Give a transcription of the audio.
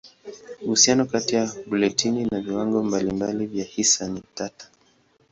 Uhusiano kati ya gluteni na viwango mbalimbali vya hisi ni tata.